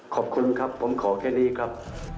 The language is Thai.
ขอบคุณครับผมขอแค่นี้ครับ